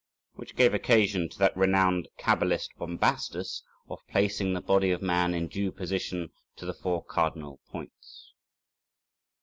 Which gave occasion to that renowned cabalist Bombastus {119a} of placing the body of man in due position to the four cardinal points.